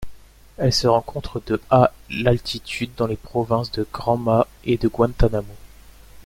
Elle se rencontre de à d'altitude dans les provinces de Granma et de Guantánamo.